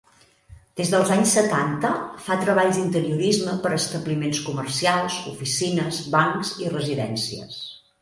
Des dels anys setanta fa treballs d'interiorisme per a establiments comercials, oficines, bancs i residències.